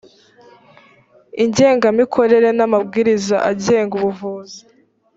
ingengamikorere n’amabwiriza agenga ubuvuzi